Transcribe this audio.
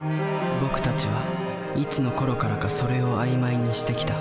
僕たちはいつのころからか「それ」を曖昧にしてきた。